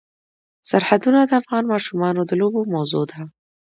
سرحدونه د افغان ماشومانو د لوبو موضوع ده.